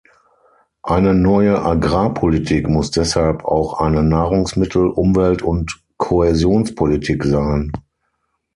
Eine neue Agrarpolitik muss deshalb auch eine Nahrungsmittel-, Umwelt- und Kohäsionspolitik sein.